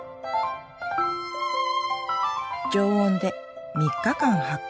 常温で３日間発酵。